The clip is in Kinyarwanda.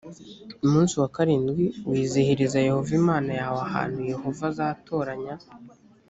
umunsi wa karindwi wizihiriza yehova imana yawe ahantu yehova azatoranya.